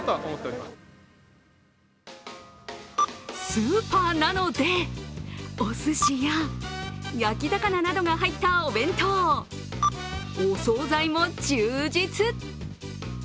スーパーなので、おすしや焼き魚などが入ったお弁当、お総菜も充実。